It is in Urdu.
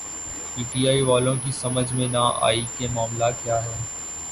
پی ٹی آئی والوں کی سمجھ میں نہ آئی کہ معاملہ کیا ہے۔